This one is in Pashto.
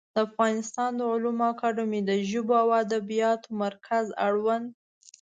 د افغانستان د علومو اکاډمي د ژبو او ادبیاتو مرکز اړوند